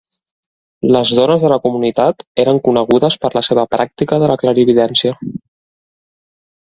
Les dones de la comunitat eren conegudes per la seva pràctica de la clarividència.